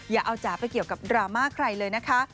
อย่าเอาจ๋าไปเกี่ยวกับดราม่าใครเลยนะคะ